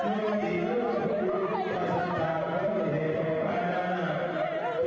อย่าจับโกนโท้แต่คนเดี่ยวสารเกลียด